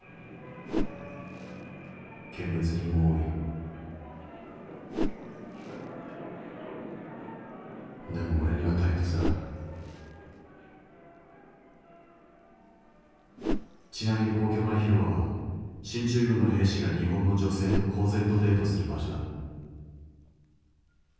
見物人も多いでも俺には退屈だちなみに皇居前広場は進駐軍の兵士が日本の女性と公然とデートする場所だ